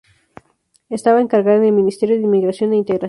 Estaba encargada con el ministerio de Inmigración e Integración.